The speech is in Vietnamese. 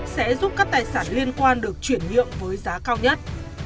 sẽ giúp các tài sản liên quan được chuyển nhượng với giá cao nhất